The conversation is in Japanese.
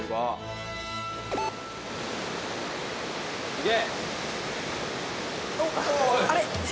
いけ！